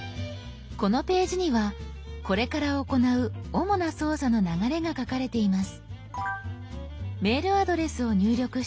このページにはこれから行う主な操作の流れが書かれています。